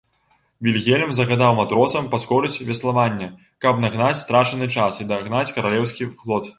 Вільгельм загадаў матросам паскорыць веславанне, каб нагнаць страчаны час і дагнаць каралеўскі флот.